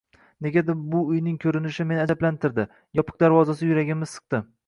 Negadir bu uyning ko`rinishi meni ajablantirdi, yopiq darvozasi yuragimni siqdi